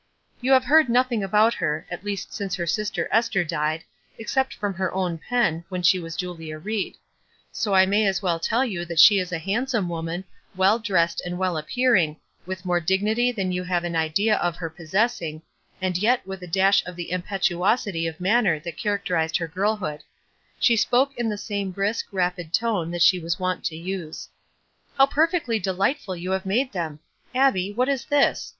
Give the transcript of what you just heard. You have heard nothing about her, at least since her sister Ester died, except from her own pen, when she was Julia Ried ; so I may as well tell you that she is a handsome woman, well dressed and well appearing, with more dignity than you have an idea of her possessing, and yet with a dash of the impetuosity of manner that characterized her girlhood. She spoke in the same brisk, rapid tone that she was wont to use. "How perfectly delightful you have made them! Abbie, what is this?